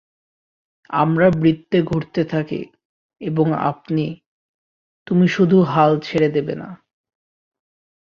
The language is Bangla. আমরা বৃত্তে ঘুরতে থাকি, এবং আপনি, তুমি শুধু হাল ছেড়ে দেবে না।